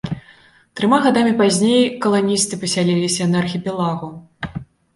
Трыма гадамі пазней каланісты пасяліліся на архіпелагу.